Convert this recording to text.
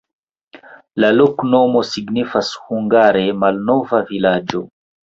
La loknomo signifas hungare: malnova-vilaĝo.